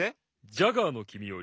ジャガーのきみより。